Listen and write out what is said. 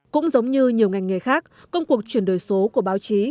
cũng giống như nhiều ngành nghề khác công cuộc chuyển đổi số của báo chí